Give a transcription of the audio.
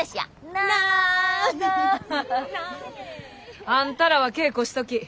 なあ！あんたらは稽古しとき。